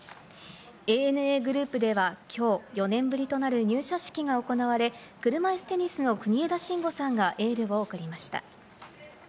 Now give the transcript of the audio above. ＡＮＡグループでは、今日４年ぶりとなる入社式が行われ、車いすテニスの国枝慎吾さんがエールを送りました。